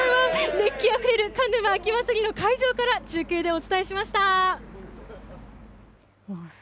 熱気あふれる鹿沼秋まつりの会場から中継でお伝えしました。